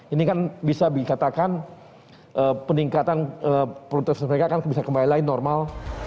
ini kan bisa dikatakan peningkatan produk tersebut mereka kan bisa kembali lain normal